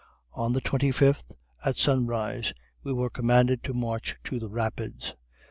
On the 25th, at sunrise, we were commanded to march to the Rapids.